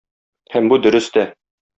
Һәм бу дөрес тә.